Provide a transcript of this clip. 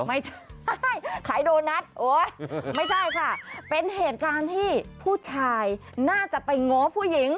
ไม่ใช่ขายโดนัทโอ๊ยไม่ใช่ค่ะเป็นเหตุการณ์ที่ผู้ชายน่าจะไปโง่ผู้หญิง